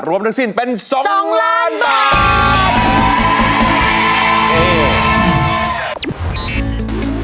ทั้งสิ้นเป็น๒ล้านบาท